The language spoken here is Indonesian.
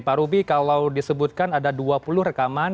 pak rubi kalau disebutkan ada dua puluh rekaman